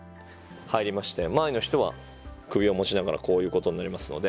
前の人は首を持ちながらこういうことになりますので。